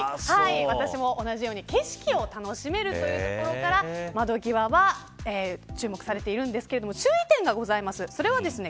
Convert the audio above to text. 私も同じように景色を楽しめるというところから窓際は注目されているんですけれども注意点がございます。